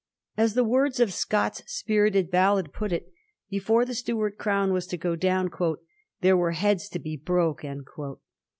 As the words of Scott's spirited ballad put it, before the Stuart crown was to go down, ' there are heads to be c^^vv^ broke.'